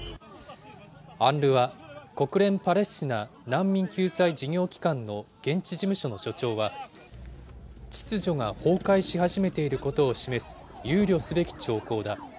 ＵＮＲＷＡ・国連パレスチナ難民救済事業機関の現地事務所の所長は、秩序が崩壊し始めていることを示す憂慮すべき兆候だ。